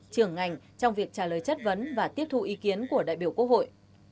trưởng ngành trong việc trả lời chất vấn và tiếp thu ý kiến của đại biểu quốc hội